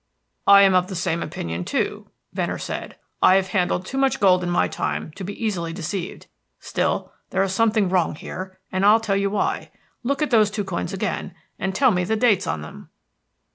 "I am of the same opinion, too," Venner said. "I have handled too much gold in my time to be easily deceived. Still, there is something wrong here, and I'll tell you why. Look at those two coins again, and tell me the dates on them."